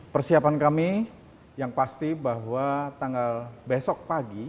persiapan kami yang pasti bahwa tanggal besok pagi